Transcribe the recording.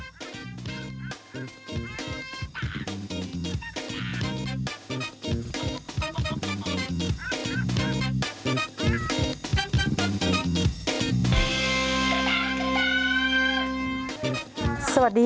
โปรดติดตามตอนต่อไป